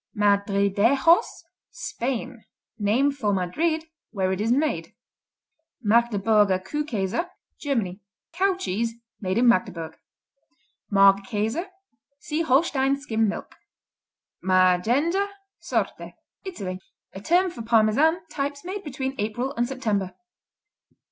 Madridejos Spain Named for Madrid where it is made. Magdeburger kuhkäse Germany "Cow cheese" made in Magdeburg. Magerkäse see Holstein Skim Milk Maggenga, Sorte Italy A term for Parmesan types made between April and September.